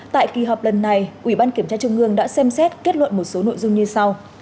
tại kỳ họp lần này ủy ban kiểm tra trung ương đã xem xét kết luận một số nội dung như sau